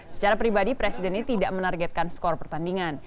secara pribadi presiden ini tidak menargetkan skor pertandingan